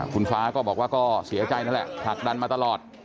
คุณฟ้าก็บอกว่าก็เสียใจนั่นแหละผลักดันมาตลอด